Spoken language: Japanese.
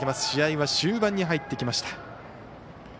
試合は終盤に入ってきました。